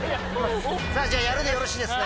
じゃあ「やる」でよろしいですね？